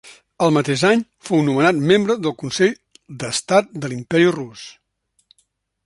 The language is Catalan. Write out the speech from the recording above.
El mateix any, fou nomenat membre del Consell d'Estat de l'Imperi rus.